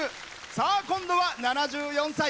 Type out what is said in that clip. さあ今度は７４歳。